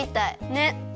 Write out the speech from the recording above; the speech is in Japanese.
ねっ。